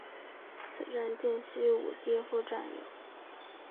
此站近西武秩父站有。